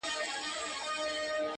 سپکاوی تر اندازې تېر سو د مړو!.